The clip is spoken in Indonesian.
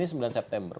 ini sembilan september